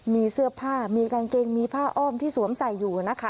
มีเสื้อผ้ามีกางเกงมีผ้าอ้อมที่สวมใส่อยู่นะคะ